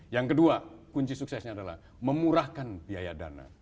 yang kedua kunci suksesnya adalah memurahkan biaya dana